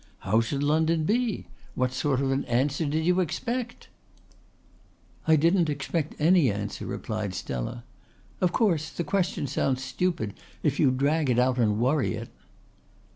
How should London be? What sort of an answer did you expect?" "I didn't expect any answer," replied Stella. "Of course the question sounds stupid if you drag it out and worry it."